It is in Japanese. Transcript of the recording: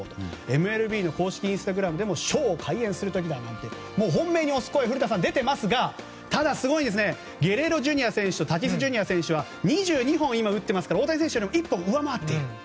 ＭＬＢの公式インスタグラムでもショーを開演する時だなんて本命に推す声、古田さん出ていますがただ、ゲレーロ・ジュニア選手とタティス・ジュニア選手は２２本打ってますから大谷選手より１本上回ってる。